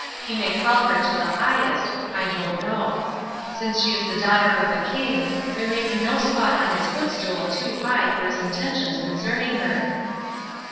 He may call her to the highest; I don't know. Since she is the daughter of a King, there may be no spot on His footstool too high for His intentions concerning her."